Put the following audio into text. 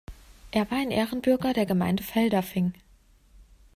Er war ein Ehrenbürger der Gemeinde Feldafing.